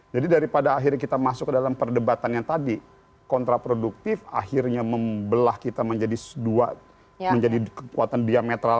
jadi daripada akhirnya kita masuk ke dalam perdebatan yang tadi kontraproduktif akhirnya membelah kita menjadi dua menjadi kekuatan diametral